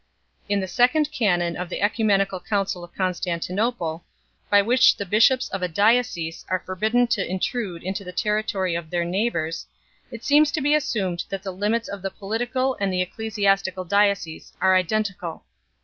In the second canon of the oecumenical Council of Constantinople, by which the bishops of a " diocese " are forbidden to intrude into the territory of their neighbours, it seems to be assumed that the limits of the political and the ecclesias tical diocese are identical.